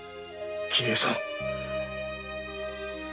桐江さん！